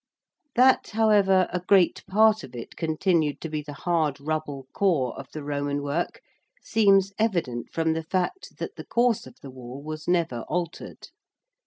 That, however, a great part of it continued to be the hard rubble core of the Roman work seems evident from the fact that the course of the Wall was never altered.